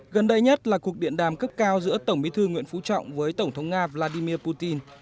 gần đây nhất là cuộc điện đàm cấp cao giữa tổng bí thư nguyễn phú trọng với tổng thống nga vladimir putin